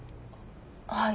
はい。